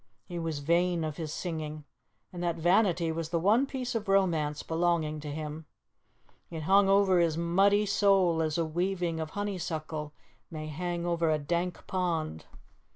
He was vain of his singing, and that vanity was the one piece of romance belonging to him; it hung over his muddy soul as a weaving of honeysuckle may hang over a dank pond.